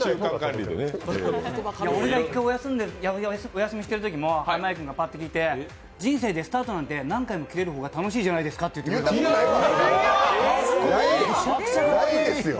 俺が一回お休みしてるときも濱家君がぱっと来て人生でスタートなんて、何回も切れる方が面白いじゃないですかって言うたことないですよ。